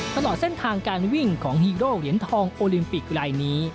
ตลอดเส้นทางการวิ่งของฮีโดเหรียญทองโอลิมปิกลายนี้